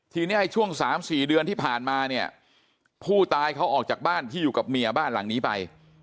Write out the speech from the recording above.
ทีนี้ช่วง๓๔เดือนที่ผ่านมาเนี่ยผู้ตายเขาออกจากบ้านที่อยู่กับเมียบ้านหลังนี้ไป